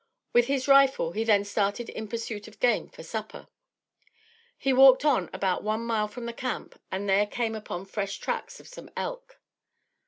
With his rifle, he then started in pursuit of game for supper. He walked on about one mile from the camp and there came upon the fresh tracks of some elk.